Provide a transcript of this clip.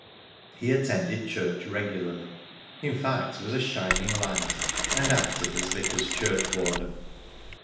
He attended church regularly; in fact, w^s a shining light, and acted as vicar's churchwarden.